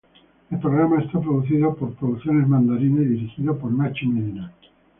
El programa está producido por Producciones Mandarina y dirigido por Nacho Medina.